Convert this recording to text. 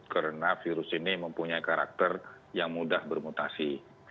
karena virus ini mempunyai karakter yang mudah bermutasi